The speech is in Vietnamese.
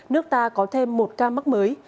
nước ta có thêm một ca mắc mới